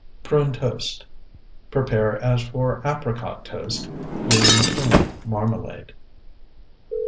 PRUNE TOAST Prepare as for apricot toast, using prune marmalade.